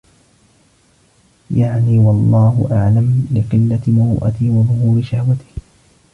يَعْنِي وَاَللَّهُ أَعْلَمُ لِقِلَّةِ مُرُوءَتِهِ ، وَظُهُورِ شَهْوَتِهِ